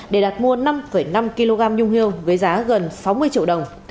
để đặt mua năm năm kg nhung hiêu với giá gần sáu mươi triệu đồng